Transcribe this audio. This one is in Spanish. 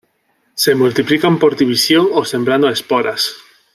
Se multiplican por división o sembrando esporas.